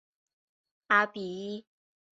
阿比伊。